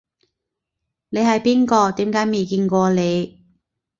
你係邊個？點解未見過你